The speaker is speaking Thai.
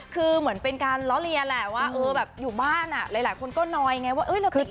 คือเหมือนเป็นการเล่าเรียนแหละว่าอยู่บ้านหลายคนก็นอยไงว่าเราติดหรือยัง